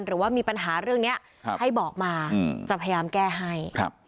หรือว่ามีปัญหาเรื่องนี้ให้บอกมาจะพยายามแก้ให้